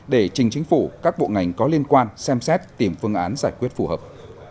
để trình chính phủ các bộ ngành có liên quan xem xét tìm phương án giải quyết phù hợp